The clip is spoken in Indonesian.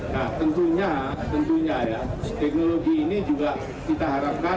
nah tentunya tentunya ya teknologi ini juga kita harapkan